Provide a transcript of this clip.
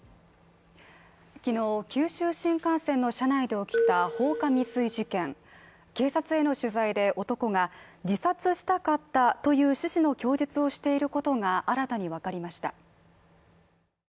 昨日九州新幹線の車内で起きた放火未遂事件で、警察への取材で男が自殺したかったという趣旨の供述をしていることが新たにわかりました。